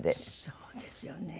そうですよね。